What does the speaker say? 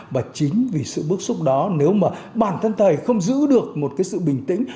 và chính vì sự bức xúc đó nếu mà bản thân thầy không giữ được một cái sự bình tĩnh